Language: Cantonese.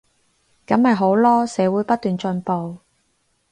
噉咪好囉，社會不斷進步